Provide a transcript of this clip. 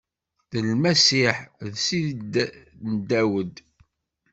D Lmasiḥ, d Ssid n Dawed.